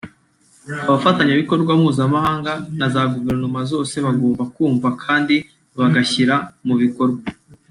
abafatanyabikorwa mpuzamahanga na za guverinoma zose bagomba kumva kandi bagashyira mu bikorwa